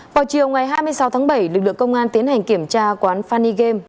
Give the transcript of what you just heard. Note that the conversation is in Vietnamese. vào chiều ngày hai mươi sáu tháng bảy lực lượng công an tiến hành kiểm tra quán fany game